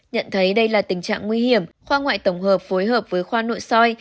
nhận thấy đây là tình trạng nguy hiểm khoa ngoại tổng hợp phối hợp với khoa nội soi